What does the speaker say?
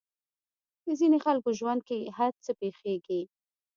د ځينې خلکو ژوند کې هر څه پېښېږي.